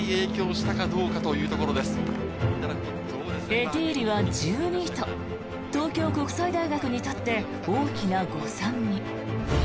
エティーリは１２位と東京国際大学にとって大きな誤算に。